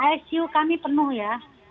icu kami penuh ya